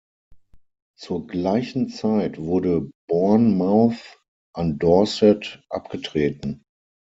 Zur gleichen Zeit wurde Bournemouth an Dorset abgetreten.